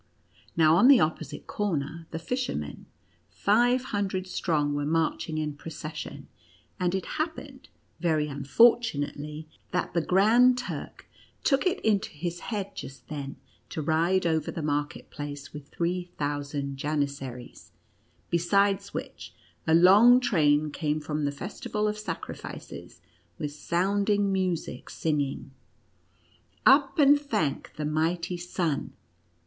Now, on the opposite corner, the fishermen, five hundred strong, were marching in procession; and it happened, very unfortunately, that the Grand Turk took it into his head just then to ride over the market place with three thousand Janissaries, besides which a loner train came from the Festival of Sacrifices, with sounding music, singing :" Up, and thank the mighty sun